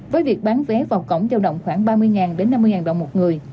với việc bán vé vào cổng giao động khoảng ba mươi đến năm mươi đồng một người